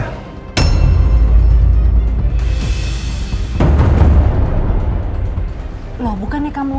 tidak bukan ya kamu